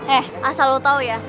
eh asal lo tau ya